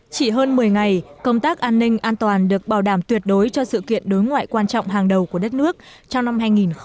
chỉ hơn một mươi ngày công tác an ninh an toàn được bảo đảm tuyệt đối cho sự kiện đối ngoại quan trọng hàng đầu của đất nước trong năm hai nghìn một mươi chín